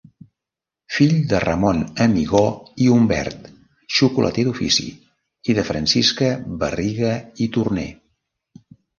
Fill de Ramon Amigó i Umbert, xocolater d'ofici, i de Francisca Barriga i Torner.